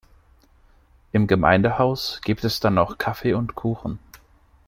Im Gemeindehaus gibt es dann noch Kaffee und Kuchen.